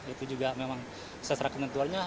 itu juga memang seserah kementuanya